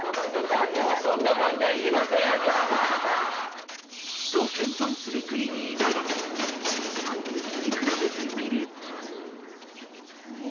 もうそんな漫談いりません！と謙遜するＣＬＩＥＶＹだが実際に聴き比べてみると。